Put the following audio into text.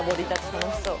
楽しそう。